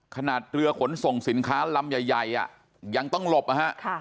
ขนาดเรือขนส่งสินค้าลำใหญ่ยังต้องหลบนะฮะ